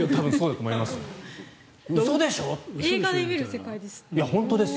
映画で見る世界です。